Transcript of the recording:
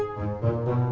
mual yang luas